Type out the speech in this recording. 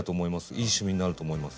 いい趣味になると思います。